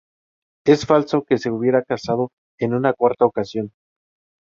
Es falso que se hubiera casado en una cuarta ocasión.